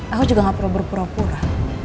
aku juga gak perlu berpura pura